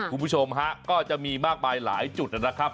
คุณผู้ชมฮะก็จะมีมากมายหลายจุดนะครับ